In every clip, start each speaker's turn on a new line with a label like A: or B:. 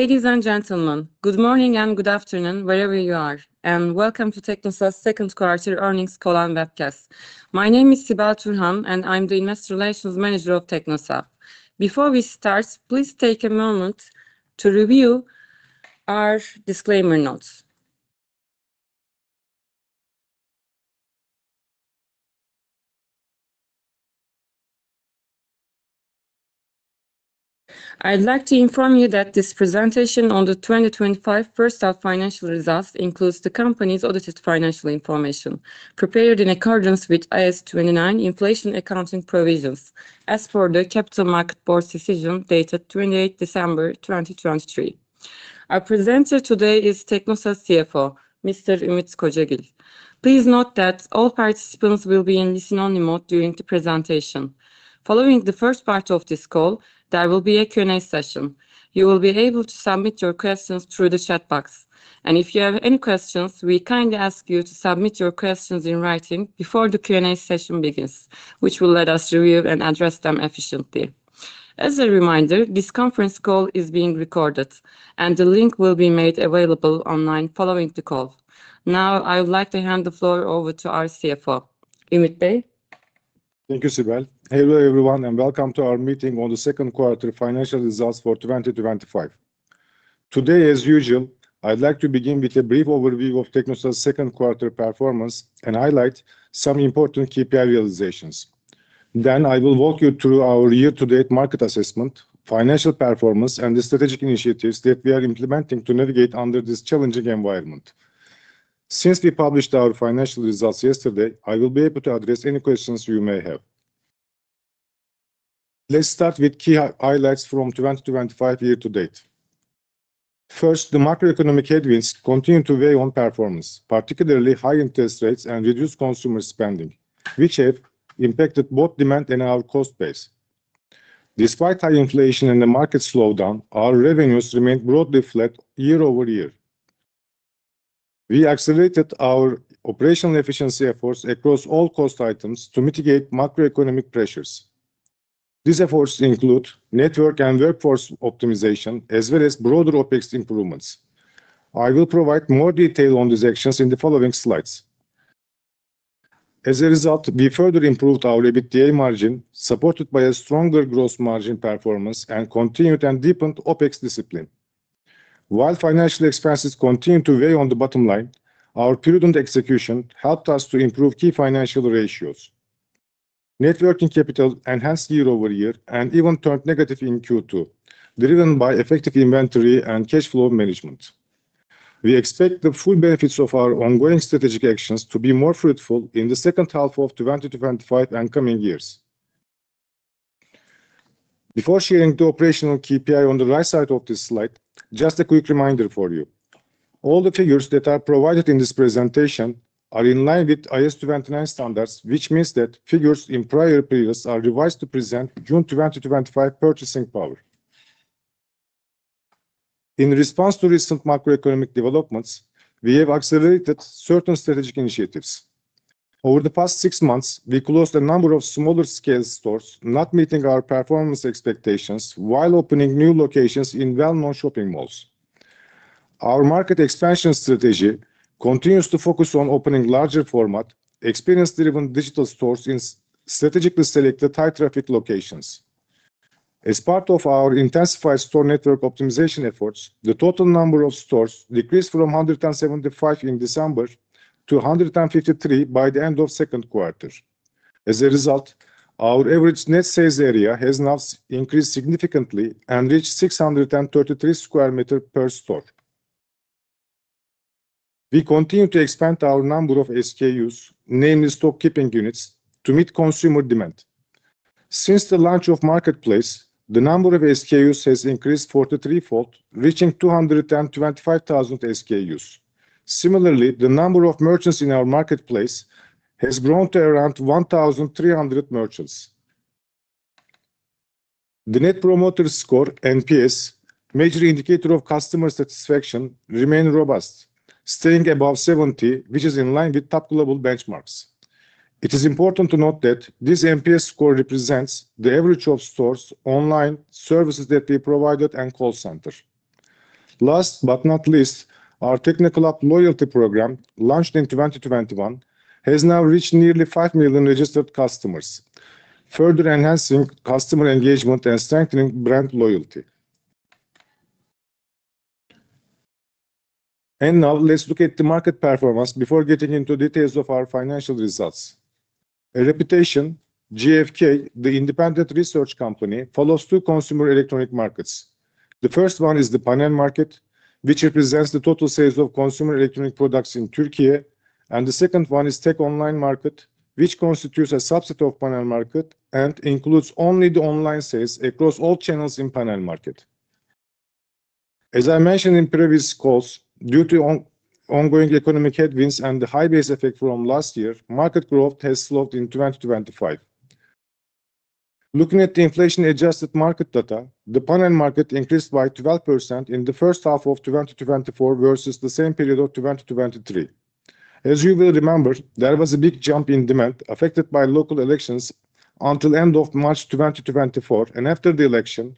A: Ladies and gentlemen, good morning and good afternoon wherever you are, and welcome to Teknosa's Second Quarter Earnings Call and Webcast. My name is Sibel Turhan, and I'm the Investor Relations Manager of Teknosa. Before we start, please take a moment to review our disclaimer notes. I'd like to inform you that this presentation on the 2025 first half financial results includes the company's audited financial information prepared in accordance with IS29 Inflation Accounting Provisions, as per the Capital Market Board's decision dated 28 December 2023. Our presenter today is Teknosa's CFO, Mr. Ümit Kocagil. Please note that all participants will be in listen-only mode during the presentation. Following the first part of this call, there will be a Q&A session. You will be able to submit your questions through the chat box. If you have any questions, we kindly ask you to submit your questions in writing before the Q&A session begins, which will let us review and address them efficiently. As a reminder, this conference call is being recorded, and the link will be made available online following the call. Now, I would like to hand the floor over to our CFO, Ümit Bey.
B: Thank you, Sibel. Hello everyone, and welcome to our meeting on the second quarter financial results for 2025. Today, as usual, I'd like to begin with a brief overview of Teknosa's second quarter performance and highlight some important KPI realizations. Then, I will walk you through our year-to-date market assessment, financial performance, and the strategic initiatives that we are implementing to navigate under this challenging environment. Since we published our financial results yesterday, I will be able to address any questions you may have. Let's start with key highlights from 2025 year to date. First, the macroeconomic headwinds continue to weigh on performance, particularly high interest rates and reduced consumer spending, which have impacted both demand and our cost base. Despite high inflation and the market slowdown, our revenues remain broadly flat year over year. We accelerated our operational efficiency efforts across all cost items to mitigate macroeconomic pressures. These efforts include network and workforce optimization, as well as broader OpEx improvements. I will provide more detail on these actions in the following slides. As a result, we further improved our EBITDA margin, supported by a stronger gross margin performance, and continued and deepened OpEx discipline. While financial expenses continue to weigh on the bottom line, our prudent execution helped us to improve key financial ratios. Net working capital enhanced year over year and even turned negative in Q2, driven by effective inventory and cash flow management. We expect the full benefits of our ongoing strategic actions to be more fruitful in the second half of 2025 and coming years. Before sharing the operational KPI on the right side of this slide, just a quick reminder for you. All the figures that are provided in this presentation are in line with IS29 standards, which means that figures in prior periods are revised to present June 2025 purchasing power. In response to recent macroeconomic developments, we have accelerated certain strategic initiatives. Over the past six months, we closed a number of smaller-scale stores, not meeting our performance expectations while opening new locations in well-known shopping malls. Our market expansion strategy continues to focus on opening larger format, experience-driven digital stores in strategically selected high-traffic locations. As part of our intensified store network optimization efforts, the total number of stores decreased from 175 in December to 153 by the end of the second quarter. As a result, our average net sales area has now increased significantly and reached 633 square meters per store. We continue to expand our number of SKUs, namely stock keeping units, to meet consumer demand. Since the launch of Marketplace, the number of SKUs has increased 43-fold, reaching 225,000 SKUs. Similarly, the number of merchants in our Marketplace has grown to around 1,300 merchants. The Net Promoter Score, NPS, measure indicator of customer satisfaction, remains robust, staying above 70, which is in line with top global benchmarks. It is important to note that this NPS score represents the average of stores, online, services that we provided, and call centers. Last but not least, our TeknoClub Loyalty Program, launched in 2021, has now reached nearly 5 million registered customers, further enhancing customer engagement and strengthening brand loyalty. Now, let's look at the market performance before getting into details of our financial results. A reputation, GfK, the independent research company, follows two consumer electronic markets. The first one is the panel market, which represents the total sales of consumer electronic products in Turkey, and the second one is the tech online market, which constitutes a subset of the panel market and includes only the online sales across all channels in the panel market. As I mentioned in previous calls, due to ongoing economic headwinds and the high base effect from last year, market growth has slowed in 2025. Looking at the inflation-adjusted market data, the panel market increased by 12% in the first half of 2024 versus the same period of 2023. As you will remember, there was a big jump in demand affected by local elections until the end of March 2024, and after the election,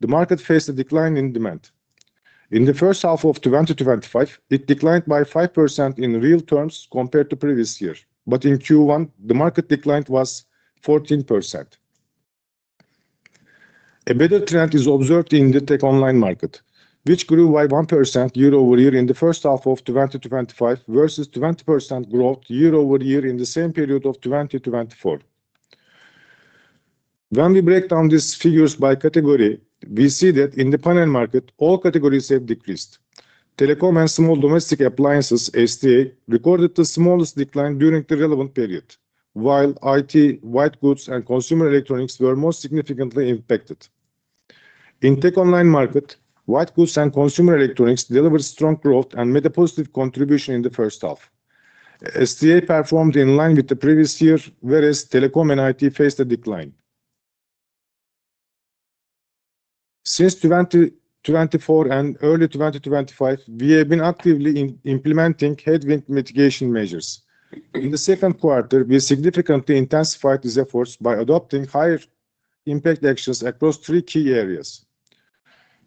B: the market faced a decline in demand. In the first half of 2025, it declined by 5% in real terms compared to the previous year, but in Q1, the market declined by 14%. A better trend is observed in the tech online market, which grew by 1% year-over-year in the first half of 2025 versus 20% growth year over year in the same period of 2024. When we break down these figures by category, we see that in the panel market, all categories have decreased. Telecom and small domestic appliances (STA) recorded the smallest decline during the relevant period, while IT, white goods, and consumer electronics were most significantly impacted. In the tech online market, white goods and consumer electronics delivered strong growth and made a positive contribution in the first half. STA performed in line with the previous year, whereas telecom and IT faced a decline. Since 2024 and early 2025, we have been actively implementing headwind mitigation measures. In the second quarter, we significantly intensified these efforts by adopting higher impact actions across three key areas.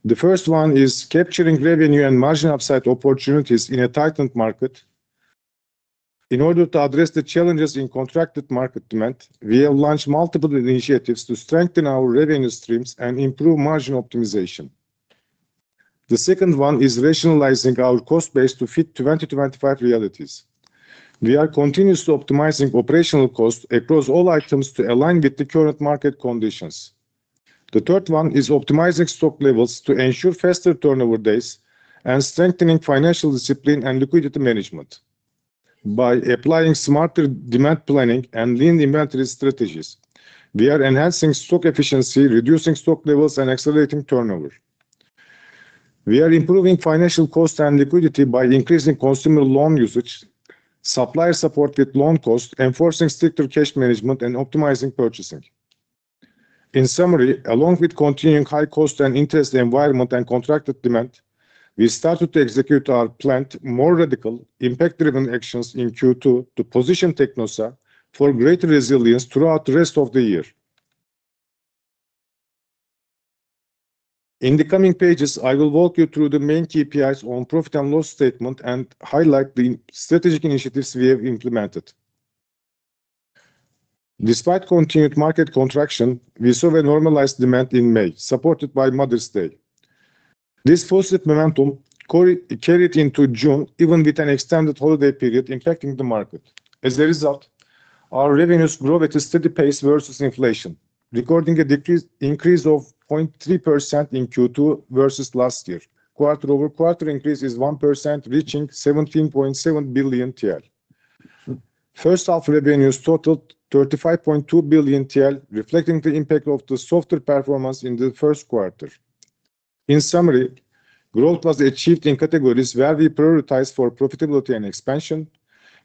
B: The first one is capturing revenue and margin upside opportunities in a tightened market. In order to address the challenges in contracted market demand, we have launched multiple initiatives to strengthen our revenue streams and improve margin optimization. The second one is rationalizing our cost base to fit 2025 realities. We are continuously optimizing operational costs across all items to align with the current market conditions. The third one is optimizing stock levels to ensure faster turnover days and strengthening financial discipline and liquidity management. By applying smarter demand planning and lean inventory strategies, we are enhancing stock efficiency, reducing stock levels, and accelerating turnover. We are improving financial cost and liquidity by increasing consumer loan usage, supplier-supported loan costs, enforcing stricter cash management, and optimizing purchasing. In summary, along with continuing high cost and interest environment and contracted demand, we started to execute our planned, more radical, impact-driven actions in Q2 to position Teknosa for greater resilience throughout the rest of the year. In the coming pages, I will walk you through the main KPIs on profit and loss statement and highlight the strategic initiatives we have implemented. Despite continued market contraction, we saw a normalized demand in May, supported by Mother's Day. This positive momentum carried into June, even with an extended holiday period impacting the market. As a result, our revenues grow at a steady pace versus inflation, recording an increase of 0.3% in Q2 versus last year. Quarter over quarter increase is 1%, reaching 17.7 billion TL. First half revenues totaled 35.2 billion TL, reflecting the impact of the softer performance in the first quarter. In summary, growth was achieved in categories where we prioritized for profitability and expansion.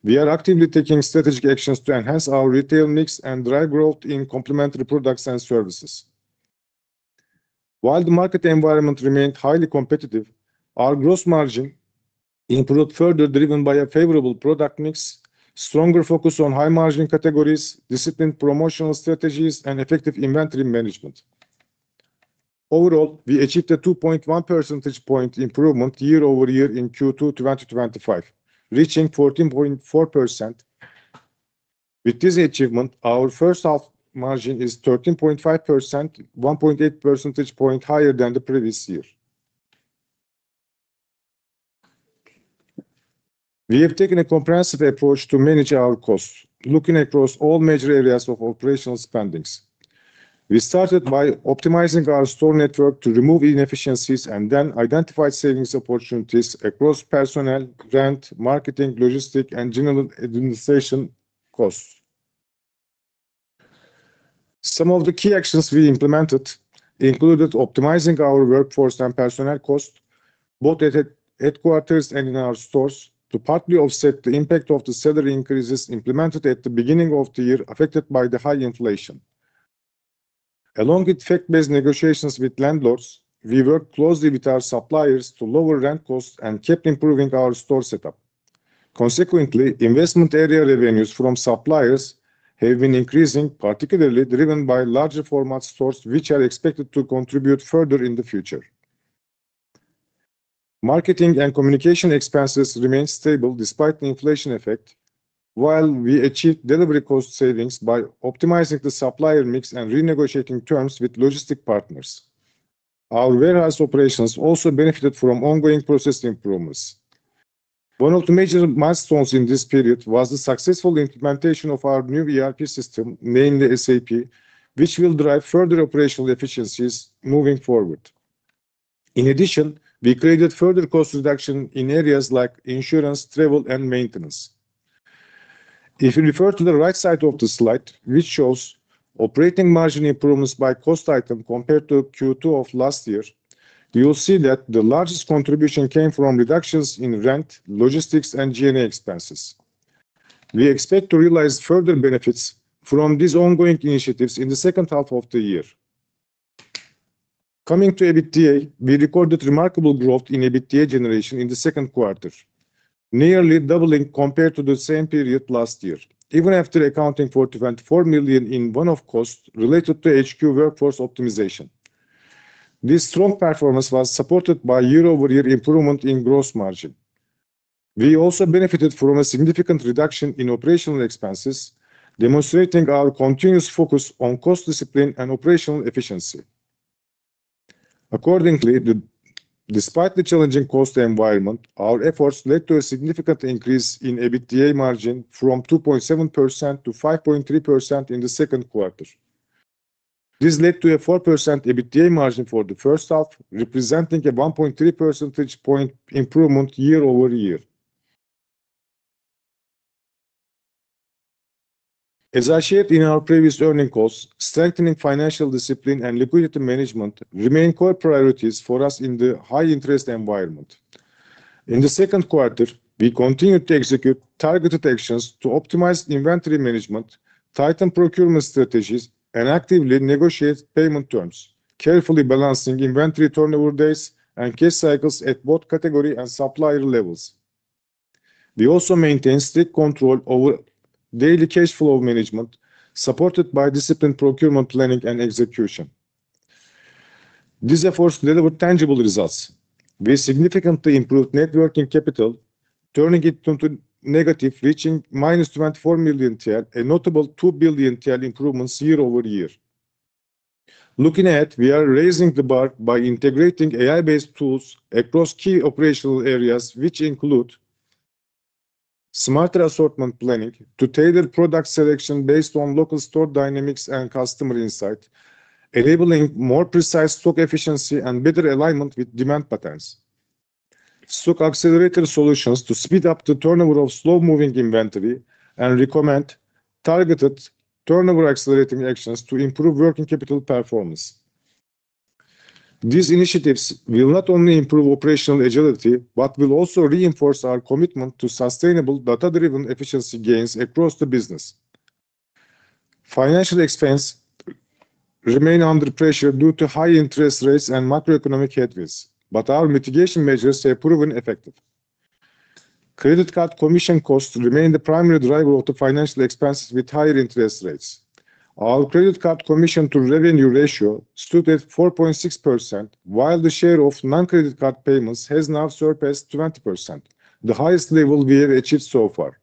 B: We are actively taking strategic actions to enhance our retail mix and drive growth in complementary products and services. While the market environment remained highly competitive, our gross margin improved further, driven by a favorable product mix, stronger focus on high margin categories, disciplined promotional strategies, and effective inventory management. Overall, we achieved a 2.1% improvement year-over-year in Q2 2025, reaching 14.4%. With this achievement, our first half margin is 13.5%, 1.8% higher than the previous year. We have taken a comprehensive approach to manage our costs, looking across all major areas of operational spending. We started by optimizing our store network to remove inefficiencies and then identified savings opportunities across personnel, rent, marketing, logistics, and general administration costs. Some of the key actions we implemented included optimizing our workforce and personnel costs, both at headquarters and in our stores, to partly offset the impact of the salary increases implemented at the beginning of the year, affected by the high inflation. Along with fact-based negotiations with landlords, we worked closely with our suppliers to lower rent costs and kept improving our store setup. Consequently, investment area revenues from suppliers have been increasing, particularly driven by larger format stores, which are expected to contribute further in the future. Marketing and communication expenses remained stable despite the inflation effect, while we achieved delivery cost savings by optimizing the supplier mix and renegotiating terms with logistics partners. Our warehouse operations also benefited from ongoing process improvements. One of the major milestones in this period was the successful implementation of our new ERP system, namely SAP, which will drive further operational efficiencies moving forward. In addition, we created further cost reductions in areas like insurance, travel, and maintenance. If you refer to the right side of the slide, which shows operating margin improvements by cost item compared to Q2 of last year, you'll see that the largest contribution came from reductions in rent, logistics, and G&A expenses. We expect to realize further benefits from these ongoing initiatives in the second half of the year. Coming to EBITDA, we recorded remarkable growth in EBITDA generation in the second quarter, nearly doubling compared to the same period last year, even after accounting for 24 million in one-off costs related to HQ workforce optimization. This strong performance was supported by year-over-year improvement in gross margin. We also benefited from a significant reduction in operational expenses, demonstrating our continuous focus on cost discipline and operational efficiency. Accordingly, despite the challenging cost environment, our efforts led to a significant increase in EBITDA margin from 2.7% to 5.3% in the second quarter. This led to a 4% EBITDA margin for the first half, representing a 1.3% point improvement year over year. As I shared in our previous earnings calls, strengthening financial discipline and liquidity management remain core priorities for us in the high-interest environment. In the second quarter, we continued to execute targeted actions to optimize inventory management, tighten procurement strategies, and actively negotiate payment terms, carefully balancing inventory turnover days and cash cycles at both category and supplier levels. We also maintained strict control over daily cash flow management, supported by disciplined procurement planning and execution. These efforts delivered tangible results. We significantly improved net working capital, turning it into negative, reaching -24 million TL, a notable 2 billion TL improvement year over year. Looking ahead, we are raising the bar by integrating AI-powered tools for assortment and inventory management across key operational areas, which include smarter assortment planning to tailor product selection based on local store dynamics and customer insight, enabling more precise stock efficiency and better alignment with demand patterns. Stock accelerator solutions speed up the turnover of slow-moving inventory and recommend targeted turnover-accelerating actions to improve working capital performance. These initiatives will not only improve operational agility but will also reinforce our commitment to sustainable, data-driven efficiency gains across the business. Financial expenses remain under pressure due to high interest rates and macroeconomic headwinds. Our mitigation measures have proven effective. Credit card commissions remain the primary driver of the financial expenses with higher interest rates. Our credit card commission-to-revenue ratio stood at 4.6%, while the share of non-credit card payments has now surpassed 20%, the highest level we have achieved so far.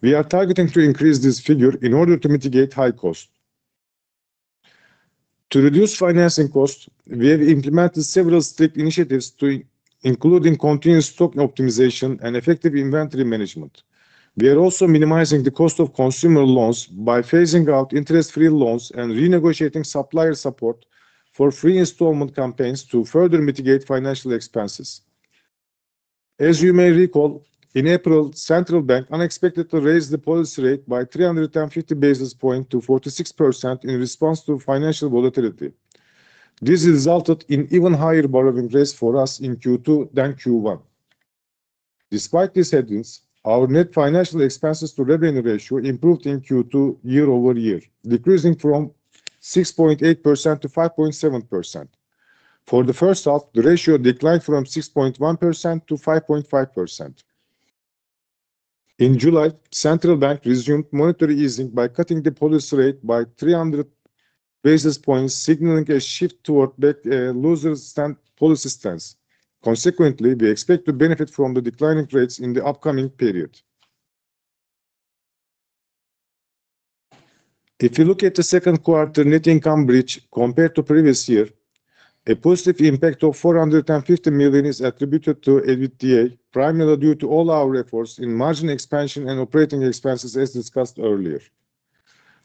B: We are targeting to increase this figure in order to mitigate high costs. To reduce financing costs, we have implemented several strict initiatives to include continuous stock optimization and effective inventory management. We are also minimizing the cost of consumer loans by phasing out interest-free loans and renegotiating supplier support for free installment campaigns to further mitigate financial expenses. As you may recall, in April, the Central Bank unexpectedly raised the policy rate by 350 basis points to 46% in response to financial volatility. This resulted in even higher borrowing rates for us in Q2 than Q1. Despite these headwinds, our net financial expenses-to-revenue ratio improved in Q2 year-over-year, decreasing from 6.8% to 5.7%. For the first half, the ratio declined from 6.1% to 5.5%. In July, the Central Bank resumed monetary easing by cutting the policy rate by 300 basis points, signaling a shift toward a looser policy stance. Consequently, we expect to benefit from the declining rates in the upcoming period. If you look at the second quarter net income breach compared to the previous year, a positive impact of 450 million is attributed to EBITDA, primarily due to all our efforts in margin expansion and operating expenses as discussed earlier.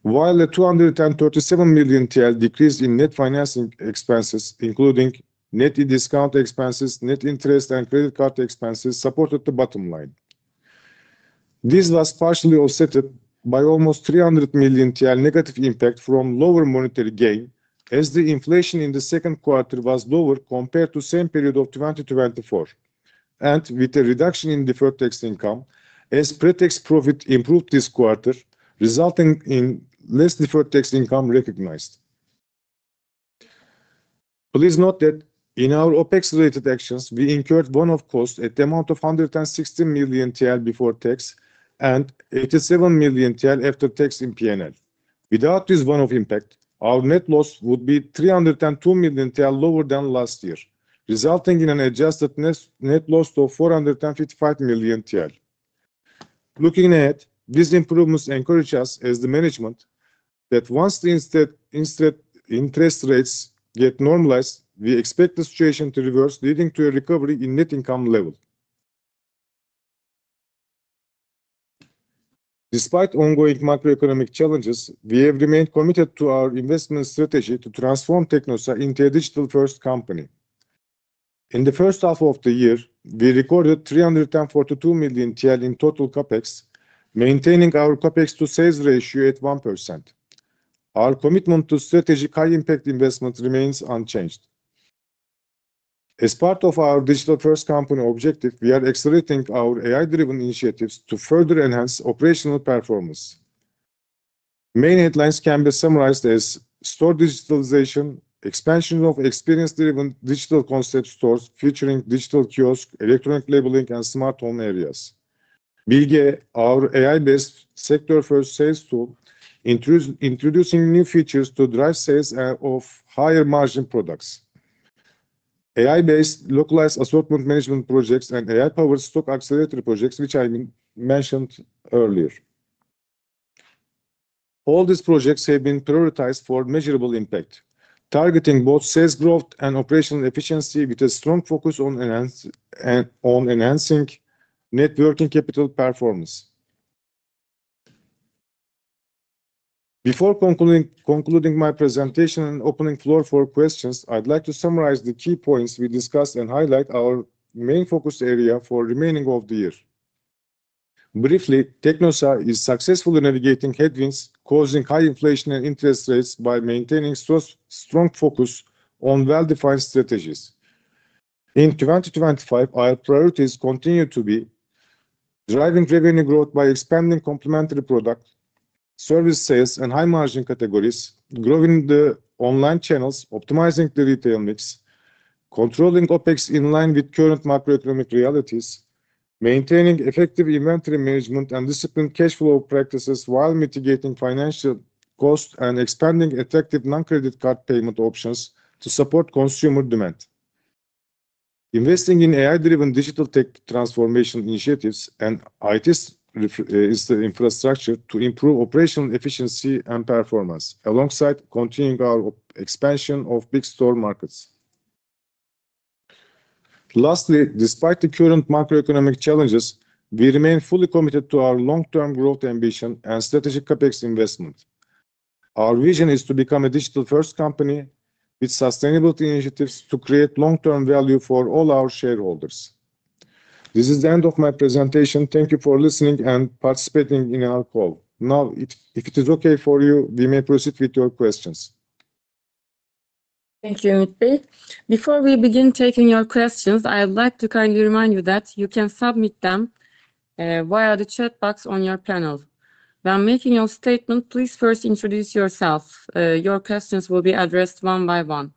B: While a 237 million TL decrease in net financing expenses, including net discount expenses, net interest, and credit card expenses, supported the bottom line. This was partially offset by almost 300 million TL negative impact from lower monetary gain, as the inflation in the second quarter was lower compared to the same period of 2024, and with a reduction in deferred tax income, as pre-tax profit improved this quarter, resulting in less deferred tax income recognized. Please note that in our OpEx-related actions, we incurred one-off costs at the amount of 116 million TL before tax and 87 million TL after tax in P&L. Without this one-off impact, our net loss would be 302 million TL lower than last year, resulting in an adjusted net loss of 455 million TL. Looking ahead, these improvements encourage us, as the management, that once the interest rates get normalized, we expect the situation to reverse, leading to a recovery in net income level. Despite ongoing macroeconomic challenges, we have remained committed to our investment strategy to transform Teknosa into a digital-first company. In the first half of the year, we recorded 342 million TL in total CapEx, maintaining our CapEx-to-sales ratio at 1%. Our commitment to strategic high-impact investment remains unchanged. As part of our digital-first company objective, we are accelerating our AI-driven initiatives to further enhance operational performance. Main headlines can be summarized as store digitalization, expansion of experience-driven digital concept stores featuring digital kiosks, electronic labeling, and smart home areas. We will get our AI-based sector-first sales tool, introducing new features to drive sales of higher margin products. AI-based localized assortment management projects and AI-powered stock accelerator projects, which I mentioned earlier. All these projects have been prioritized for measurable impact, targeting both sales growth and operational efficiency, with a strong focus on enhancing net working capital performance. Before concluding my presentation and opening the floor for questions, I'd like to summarize the key points we discussed and highlight our main focus area for the remainder of the year. Briefly, Teknosa is successfully navigating headwinds causing high inflation and interest rates by maintaining strong focus on well-defined strategies. In 2025, our priorities continue to be driving revenue growth by expanding complementary products, service sales, and high margin categories, growing the online channels, optimizing the retail mix, controlling OpEx in line with current macroeconomic realities, maintaining effective inventory management, and disciplined cash flow practices while mitigating financial costs and expanding attractive non-credit card payment options to support consumer demand. Investing in AI-driven digital tech transformation initiatives and IT infrastructure to improve operational efficiency and performance, alongside continuing our expansion of big store markets. Lastly, despite the current macroeconomic challenges, we remain fully committed to our long-term growth ambition and strategic CapEx investment. Our vision is to become a digital-first company with sustainability initiatives to create long-term value for all our shareholders. This is the end of my presentation. Thank you for listening and participating in our call. Now, if it is okay for you, we may proceed with your questions.
A: Thank you, Ümit Bey. Before we begin taking your questions, I would like to kindly remind you that you can submit them via the chat box on your panel. When making your statement, please first introduce yourself. Your questions will be addressed one by one.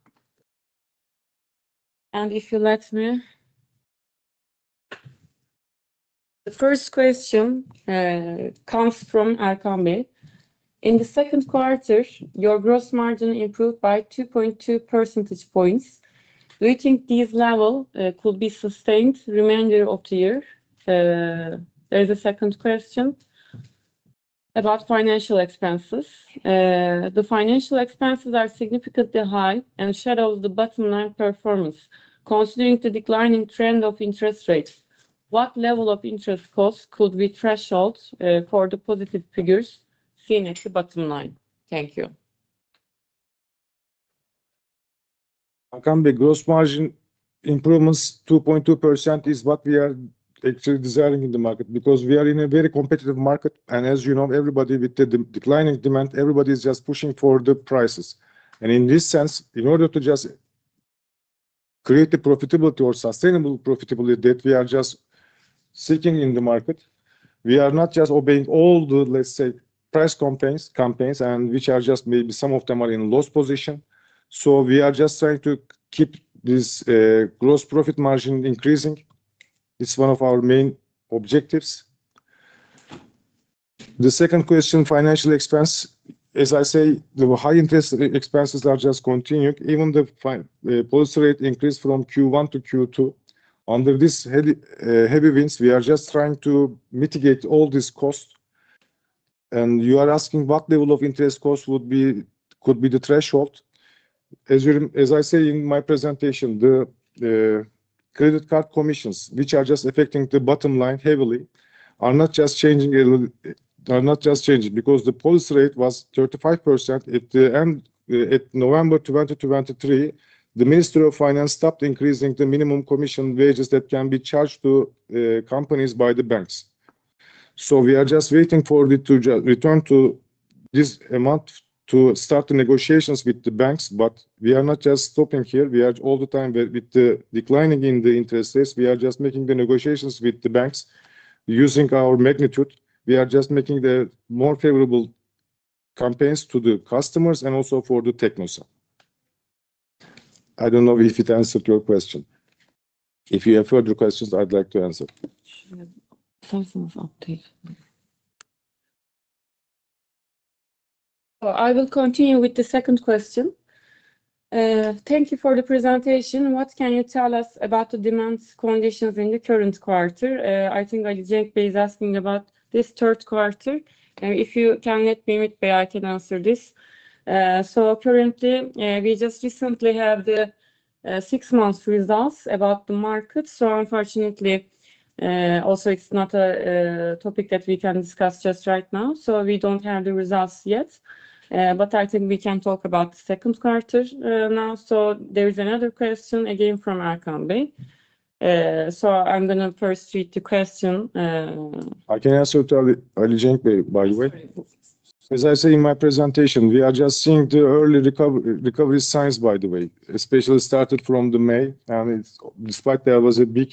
A: The first question comes from Erkan Bey. In the second quarter, your gross margin improved by 2.2% points. Do you think this level could be sustained the remainder of the year? There is a second question about financial expenses. The financial expenses are significantly high and shadow the bottom line performance. Considering the declining trend of interest rates, what level of interest costs could be threshold for the positive figures seen at the bottom line? Thank you.
B: Erkan Bey, gross margin improvements 2.2% is what we are actually desiring in the market because we are in a very competitive market. As you know, with the declining demand, everybody is just pushing for the prices. In this sense, in order to just create a profitability or sustainable profitability that we are just seeking in the market, we are not just obeying all the, let's say, price campaigns, which are just maybe some of them are in a loss position. We are just trying to keep this gross profit margin increasing. This is one of our main objectives. The second question, financial expense. As I say, the high interest expenses are just continuing. Even the policy rate increased from Q1 to Q2. Under these heavy winds, we are just trying to mitigate all these costs. You are asking what level of interest costs could be the threshold. As I say in my presentation, the credit card commissions, which are just affecting the bottom line heavily, are not just changing because the policy rate was 35%. At the end of November 2023, the Ministry of Finance stopped increasing the minimum commission wages that can be charged to companies by the banks. We are just waiting for it to return to this amount to start the negotiations with the banks. We are not just stopping here. All the time with the declining in the interest rates, we are just making the negotiations with the banks. Using our magnitude, we are just making the more favorable campaigns to the customers and also for the technician. I don't know if it answered your question. If you have further questions, I'd like to answer.
A: Sure. I will continue with the second question. Thank you for the presentation. What can you tell us about the demand conditions in the current quarter? I think that Jenk Bey is asking about this third quarter. If you can let me know, I can answer this. Currently, we just recently had the six-month results about the market. Unfortunately, also it's not a topic that we can discuss just right now. We don't have the results yet. I think we can talk about the second quarter now. There is another question again from Erkan Bey. I'm going to first read the question.
B: I can answer it early, Jenk Bey, by the way. As I say in my presentation, we are just seeing the early recovery signs, by the way, especially starting from May. Despite there was a big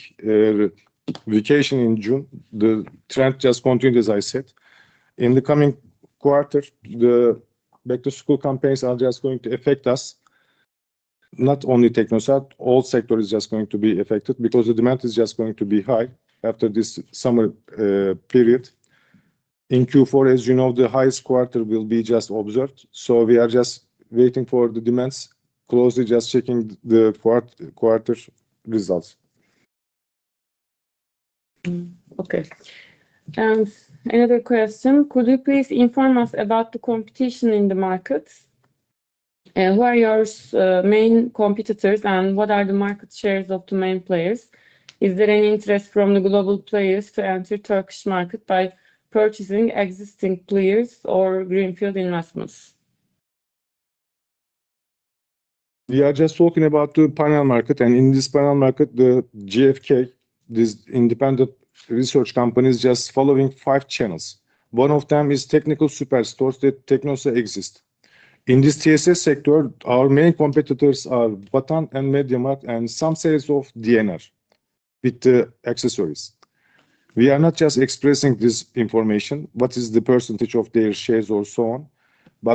B: vacation in June, the trend just continued, as I said. In the coming quarter, the back-to-school campaigns are just going to affect us. Not only Teknosa, all sectors are just going to be affected because the demand is just going to be high after this summer period. In Q4, as you know, the highest quarter will be just observed. We are just waiting for the demands, closely just checking the quarter results.
A: Okay. Could you please inform us about the competition in the markets? Who are your main competitors and what are the market shares of the main players? Is there any interest from the global players to enter the Turkish market by purchasing existing players or greenfield investments?
B: We are just talking about the panel market. In this panel market, GfK, this independent research company, is just following five channels. One of them is technical superstores that Teknosa exists. In this TSS sector, our main competitors are Vatan and MediaMarkt and some sales of DNR with the accessories. We are not just expressing this information, what is the percentage of their shares or so on.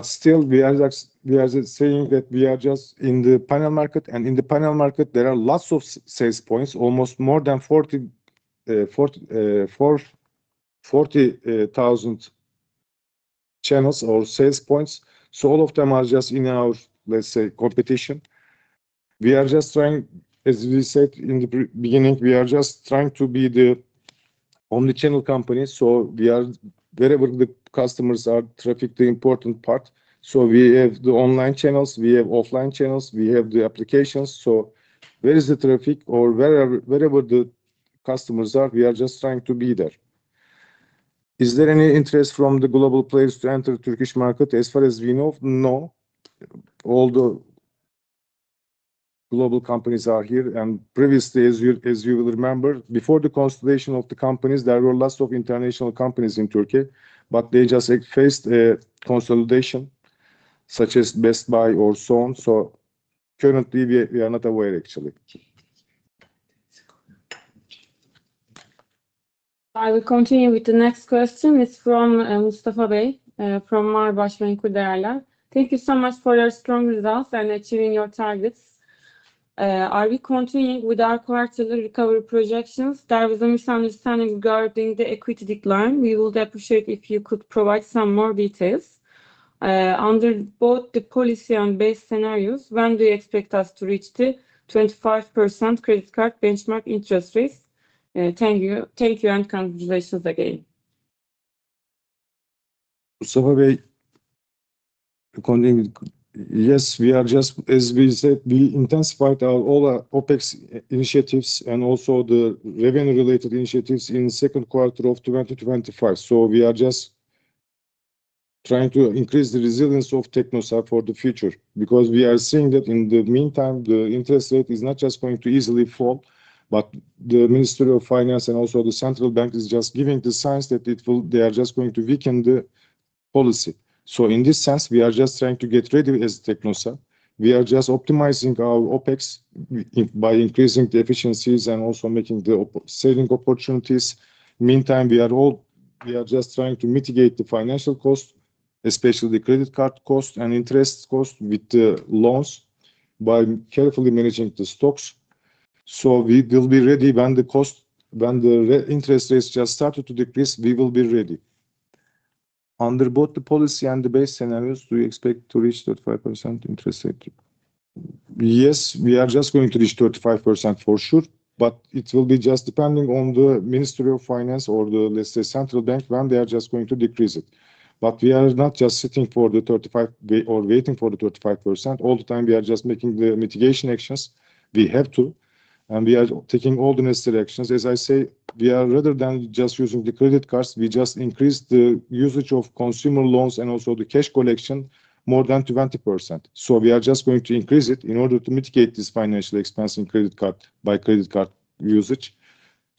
B: Still, we are saying that we are just in the panel market. In the panel market, there are lots of sales points, almost more than 40,000 channels or sales points. All of them are just in our, let's say, competition. We are just trying, as we said in the beginning, to be the only channel company. Wherever the customers are, traffic is the important part. We have the online channels, we have offline channels, we have the applications. Wherever the customers are, we are just trying to be there. Is there any interest from the global players to enter the Turkish market? As far as we know, no. All the global companies are here. Previously, as you will remember, before the consolidation of the companies, there were lots of international companies in Turkey, but they just faced a consolidation such as Best Buy or so on. Currently, we are not aware, actually.
A: I will continue with the next question. It's from Mustafa Bey from Marbaş Menkul Değerler’de. Thank you so much for your strong results and achieving your targets. Are we continuing with our quarterly recovery projections? There was a misunderstanding regarding the equity decline. We would appreciate if you could provide some more details. Under both the policy and base scenarios, when do you expect us to reach the 25% credit card benchmark interest rates? Thank you. Thank you and congratulations again.
B: Mustafa Bey, yes, as we said, we intensified all the OpEx initiatives and also the revenue-related initiatives in the second quarter of 2025. We are trying to increase the resilience of Teknosa for the future because we are seeing that, in the meantime, the interest rate is not going to easily fall, but the Ministry of Finance and also the Central Bank is giving the signs that they are going to weaken the policy. In this sense, we are trying to get ready as Teknosa. We are optimizing our OpEx by increasing the efficiencies and also making the saving opportunities. Meantime, we are trying to mitigate the financial costs, especially the credit card costs and interest costs with the loans by carefully managing the stocks. We will be ready when the interest rates start to decrease. Under both the policy and the base scenarios, do you expect to reach 35% interest rate? Yes, we are going to reach 35% for sure, but it will just depend on the Ministry of Finance or the Central Bank when they are going to decrease it. We are not sitting for the 35% or waiting for the 35% all the time. We are making the mitigation actions. We have to, and we are taking all the necessary actions. As I say, rather than just using the credit cards, we increased the usage of consumer loans and also the cash collection more than 20%. We are going to increase it in order to mitigate this financial expense in credit card by credit card usage.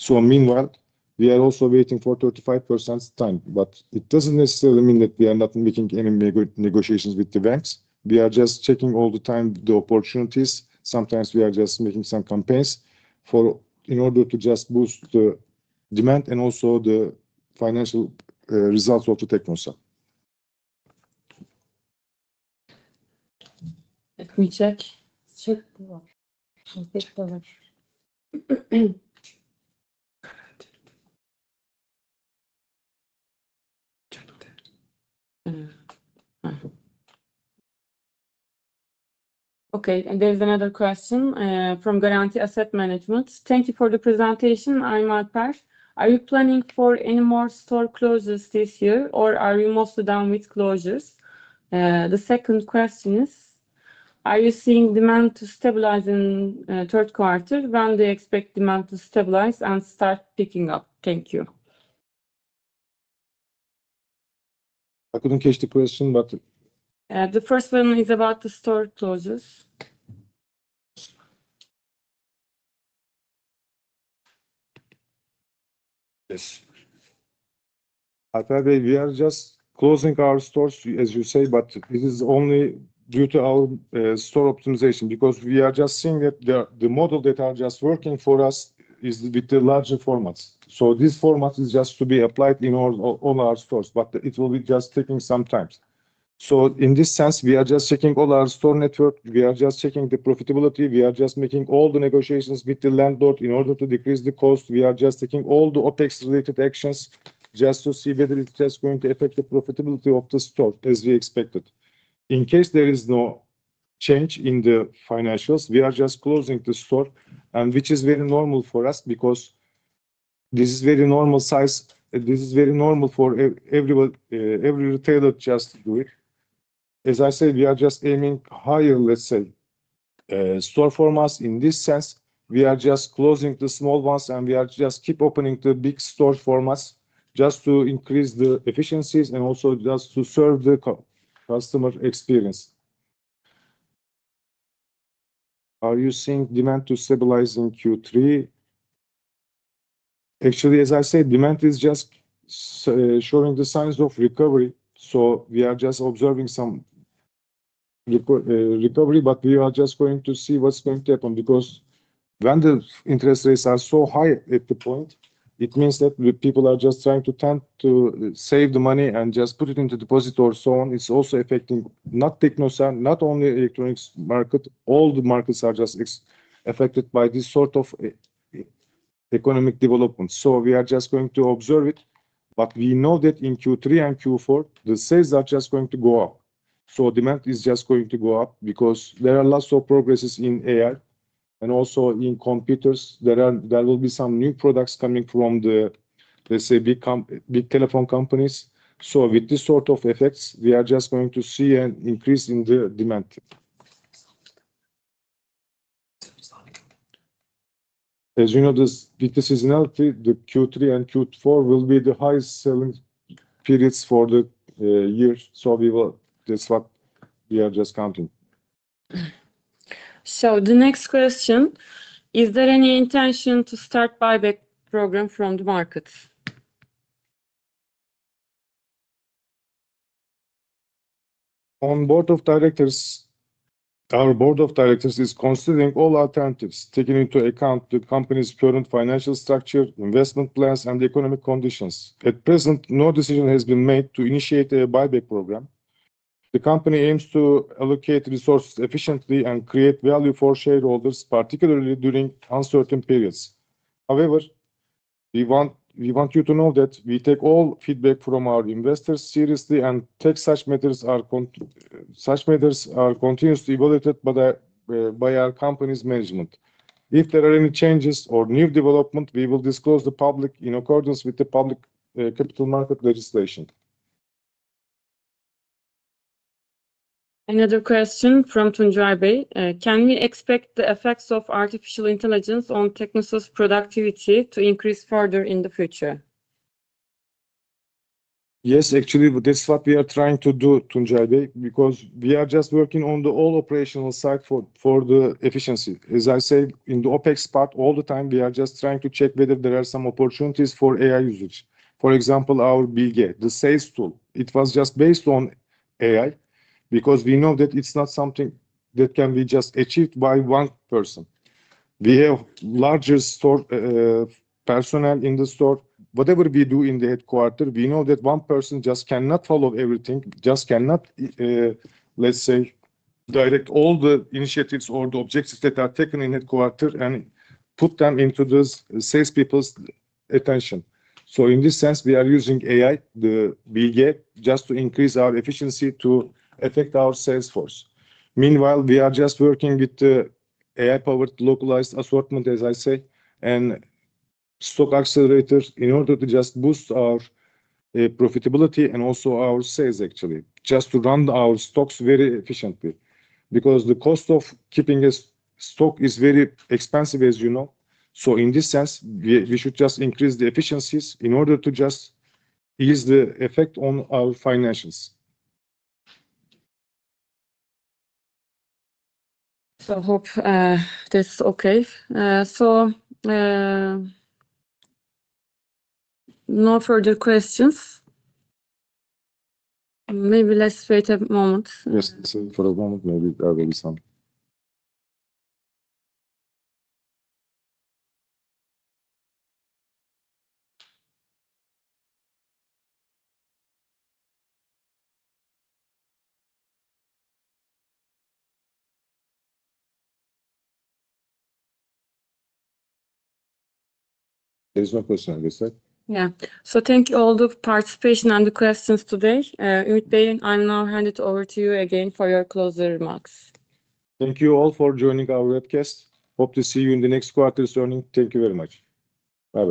B: Meanwhile, we are also waiting for 35% time, but it doesn't necessarily mean that we are not making any negotiations with the banks. We are checking all the time the opportunities. Sometimes we are making some campaigns in order to boost the demand and also the financial results of Teknosa.
A: Okay. There's another question from Garanti Asset Management. Thank you for the presentation. I'm Alper. Are you planning for any more store closures this year, or are you mostly done with closures? The second question is, are you seeing demand to stabilize in the third quarter? When do you expect demand to stabilize and start picking up? Thank you.
B: I couldn't catch the question, but...
A: The first one is about the store closures.
B: Yes. Alper Bey, we are just closing our stores, as you say, but this is only due to our store optimization because we are just seeing that the model that is just working for us is with the larger formats. This format is just to be applied in all our stores, but it will be just taking some time. In this sense, we are just checking all our store network. We are just checking the profitability. We are just making all the negotiations with the landlord in order to decrease the cost. We are just taking all the OpEx-related actions just to see whether it's just going to affect the profitability of the store as we expected. In case there is no change in the financials, we are just closing the store, which is very normal for us because this is very normal size. This is very normal for everyone, every retailer just to do it. As I said, we are just aiming higher, let's say, store formats. In this sense, we are just closing the small ones, and we are just keep opening the big store formats just to increase the efficiencies and also just to serve the customer experience. Are you seeing demand to stabilize in Q3? Actually, as I said, demand is just showing the signs of recovery. We are just observing some recovery, but we are just going to see what's going to happen because when the interest rates are so high at the point, it means that people are just trying to tend to save the money and just put it into deposit or so on. It's also affecting not Teknosa, not only the electronics market. All the markets are just affected by this sort of economic development. We are just going to observe it. We know that in Q3 and Q4, the sales are just going to go up. Demand is just going to go up because there are lots of progresses in AI and also in computers. There will be some new products coming from the, let's say, big telephone companies. With this sort of effects, we are just going to see an increase in the demand. As you know, this is another thing. The Q3 and Q4 will be the highest selling periods for the year. We will, that's what we are just counting.
A: Is there any intention to start a buyback program from the markets?
B: Our board of directors is considering all alternatives, taking into account the company's current financial structure, investment plans, and the economic conditions. At present, no decision has been made to initiate a buyback program. The company aims to allocate resources efficiently and create value for shareholders, particularly during uncertain periods. However, we want you to know that we take all feedback from our investors seriously and such matters are continuously evaluated by our company's management. If there are any changes or new developments, we will disclose to the public in accordance with the public capital market legislation.
A: Another question from [Tuncay] Bey. Can we expect the effects of artificial intelligence on Teknosa's productivity to increase further in the future?
B: Yes, actually, that's what we are trying to do, [Tuncay] Bey, because we are just working on the all operational side for the efficiency. As I said, in the OpEx part, all the time, we are just trying to check whether there are some opportunities for AI usage. For example, our BGA, the sales tool, it was just based on AI because we know that it's not something that can be just achieved by one person. We have larger store personnel in the store. Whatever we do in the headquarter, we know that one person just cannot follow everything, just cannot, let's say, direct all the initiatives or the objectives that are taken in headquarters and put them into the salespeople's attention. In this sense, we are using AI, the BGA, just to increase our efficiency to affect our sales force. Meanwhile, we are just working with the AI-powered localized assortment, as I say, and stock accelerators in order to just boost our profitability and also our sales, actually, just to run our stocks very efficiently because the cost of keeping a stock is very expensive, as you know. In this sense, we should just increase the efficiencies in order to just ease the effect on our financials.
A: I hope that's okay. No further questions. Maybe let's wait a moment.
B: Yes, maybe there will be some. There's no question, I guess.
A: Thank you all for the participation and the questions today. Ümit Bey, I'll now hand it over to you again for your closing remarks.
B: Thank you all for joining our webcast. Hope to see you in the next quarter's journey. Thank you very much. Bye.